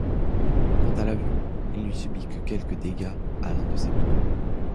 Quant à l'avion, il ne subit que quelques dégâts à l'un de ses pneus.